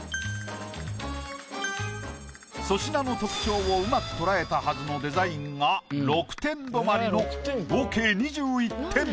粗品の特徴をうまく捉えたはずのデザインが６点止まりの合計２１点。